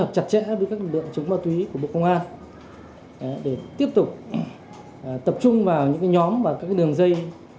chặt chẽ với các lượng chống ma túy của bộ công an để tiếp tục tập trung vào những cái nhóm và các cái đường dây